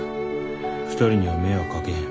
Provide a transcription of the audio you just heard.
２人には迷惑かけへん。